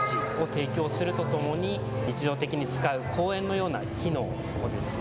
価値を提供するとともに日常的に使う公園のような機能をですね